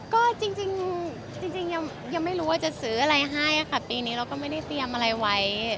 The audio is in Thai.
ก็จริงยังไม่รู้ว่าจะซื้ออะไรให้ค่ะปีนี้เราก็ไม่ได้เตรียมอะไรไว้